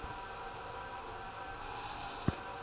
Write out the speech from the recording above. মানে দিন-রাত যেকোনো সময়, যেকোনো সমস্যায়।